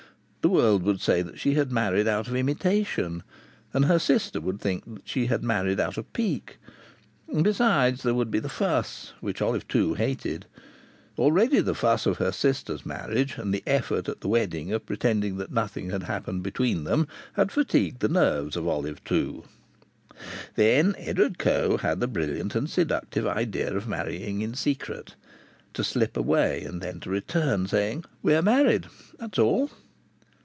The world would say that she had married out of imitation, and her sister would think that she had married out of pique. Besides, there would be the fuss, which Olive Two hated. Already the fuss of her sister's marriage, and the effort at the wedding of pretending that nothing had happened between them, had fatigued the nerves of Olive Two. Then Edward Coe had had the brilliant and seductive idea of marrying in secret. To slip away, and then to return, saying, "We are married. That's all!"